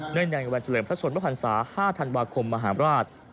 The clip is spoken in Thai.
ในวันเฉลิมพระชนมพันศา๕ธันวาคมมหาราช